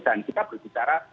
dan kita berbicara